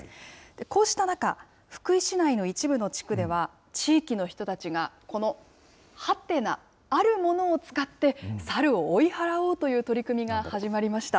こうした中、福井市内の一部の地区では、地域の人たちがこのはてな、あるものを使って、サルを追い払おうという取り組みが始まりました。